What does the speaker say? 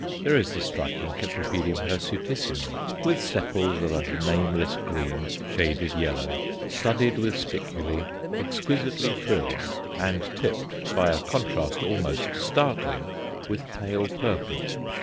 There is the striking Cyp. hirsutissimum, with sepals of a nameless green, shaded yellow, studded with spiculæ, exquisitely frilled, and tipped, by a contrast almost startling, with pale purple.